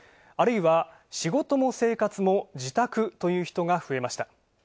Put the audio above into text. あるいは仕事も生活も自宅という人が増えました。